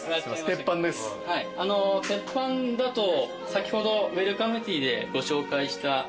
テッパンだと先ほどウエルカムティーでご紹介した。